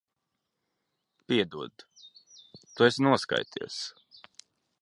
Piedod. Tu esi noskaities.